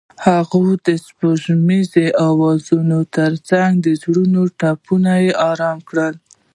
هغې د سپوږمیز اوازونو ترڅنګ د زړونو ټپونه آرام کړل.